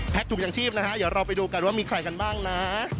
ถูกอย่างชีพนะฮะเดี๋ยวเราไปดูกันว่ามีใครกันบ้างนะ